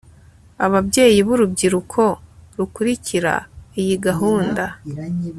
ababyeyi b'urubyiruko rukurikira iyi gahunda